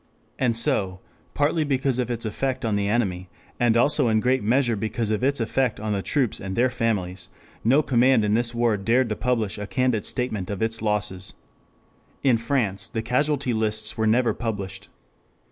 And so, partly because of its effect on the enemy, but also in great measure because of its effect on the troops and their families, no command in this war dared to publish a candid statement of its losses. In France the casualty lists were never published.